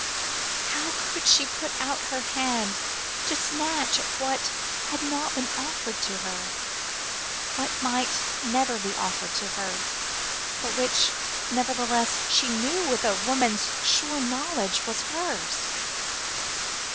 How could she put out her hand to snatch at what had not been offered to her, what might never be offered to her, but which, nevertheless, she knew with a woman's sure knowledge was hers?